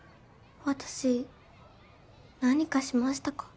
私何かしましたか？